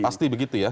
pasti begitu ya